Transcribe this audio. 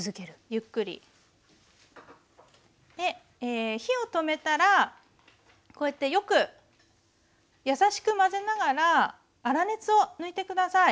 ゆっくりで火を止めたらこうやってよく優しく混ぜながら粗熱を抜いて下さい。